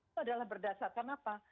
itu adalah berdasarkan apa